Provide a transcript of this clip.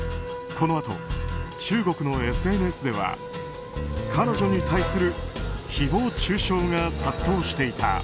このあと、中国のＳＮＳでは彼女に対する誹謗中傷が殺到していた。